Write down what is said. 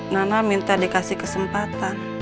nana minta dikasih kesempatan